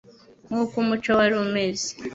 nk' uko umuco wari umeze